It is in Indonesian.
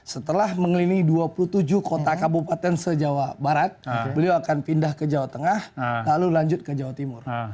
setelah mengelilingi dua puluh tujuh kota kabupaten se jawa barat beliau akan pindah ke jawa tengah lalu lanjut ke jawa timur